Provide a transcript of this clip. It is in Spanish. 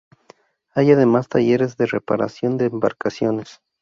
Hay además talleres de reparación de embarcaciones.